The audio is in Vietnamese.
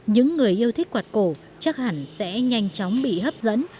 những người yêu thích quạt cổ chắc hẳn sẽ nhanh chóng bị hấp dẫn